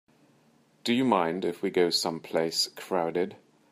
Do you mind if we go someplace crowded?